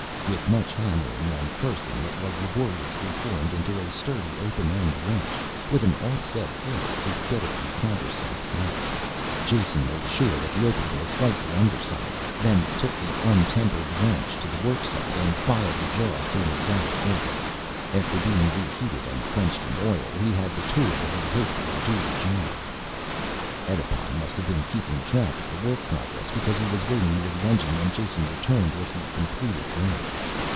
With much hammering and cursing it was laboriously formed into a sturdy open end wrench with an offset head to get at the countersunk nuts. Jason made sure that the opening was slightly undersized, then took the untempered wrench to the work site and filed the jaws to an exact fit. After being reheated and quenched in oil he had the tool that he hoped would do the job. Edipon must have been keeping track of the work progress because he was waiting near the engine when Jason returned with the completed wrench.